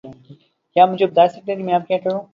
کیا آپ مجھے بتا سکتے ہے کہ میں اب کیا کروں؟